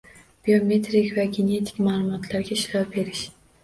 Biometrik va genetik ma’lumotlarga ishlov berish